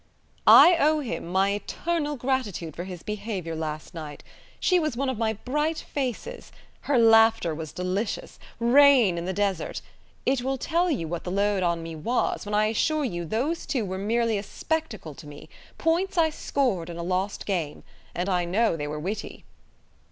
"I owe him my eternal gratitude for his behaviour last night. She was one of my bright faces. Her laughter was delicious; rain in the desert! It will tell you what the load on me was, when I assure you those two were merely a spectacle to me points I scored in a lost game. And I know they were witty."